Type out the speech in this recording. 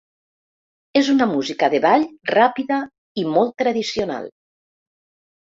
És una música de ball ràpida i molt tradicional.